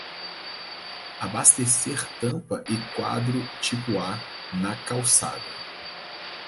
Abastecer tampa e quadro tipo A na calçada.